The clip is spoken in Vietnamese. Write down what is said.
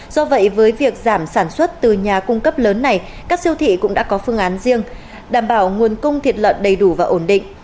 do vậy với việc giảm sản xuất từ nhà cung cấp lớn này các siêu thị cũng đã có phương án riêng đảm bảo nguồn cung thịt lợn đầy đủ và ổn định